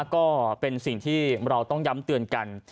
ก็เป็นสิ่งที่เราต้องย้ำเตือนกัน